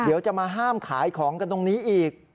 เดี๋ยวจะมาห้ามขายของกันตรงนี้อีก